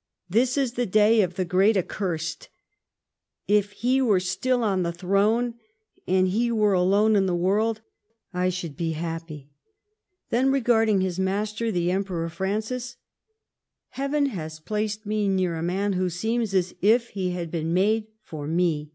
" This is the day of the great accursed ! If ho were still ou tlie throne, aud he were alone in the world, I should be happy." Then, regarding his master, the Emperor Francis :" Heaven has placed me near a man who seems as if he liad been made for me."